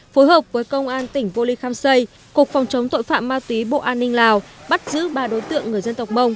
phối hợp với công an tỉnh vô lý kham xây cục phòng chống tội phạm ma túy bộ an ninh lào bắt giữ ba đối tượng người dân tộc mông